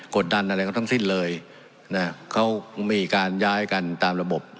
ดันอะไรเขาทั้งสิ้นเลยนะเขามีการย้ายกันตามระบบ